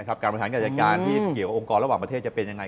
การบริหารการจัดการที่เกี่ยวกับองค์กรระหว่างประเทศจะเป็นยังไง